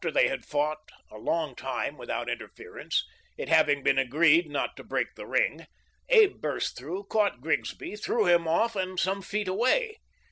After they had fought a long time without interference, it having been agreed not to break the ring, Abe burst through, caught Grigsby, threw him off and some feet away.